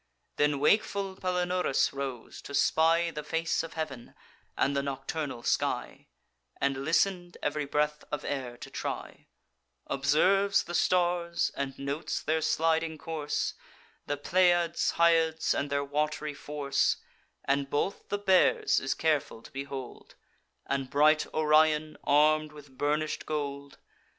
Then wakeful Palinurus rose, to spy The face of heav'n, and the nocturnal sky; And listen'd ev'ry breath of air to try; Observes the stars, and notes their sliding course, The Pleiads, Hyads, and their wat'ry force; And both the Bears is careful to behold, And bright Orion, arm'd with burnish'd gold.